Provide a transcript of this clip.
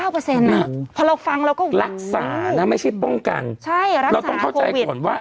พอเราฟังเราก็รักษานะไม่ใช่ป้องกันเราต้องเข้าใจก่อนว่า